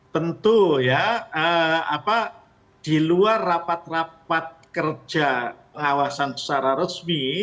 tentu ya di luar rapat rapat kerja pengawasan secara resmi